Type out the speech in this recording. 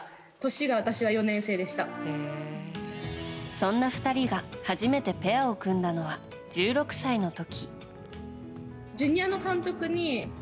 そんな２人が初めてペアを組んだのは１６歳の時。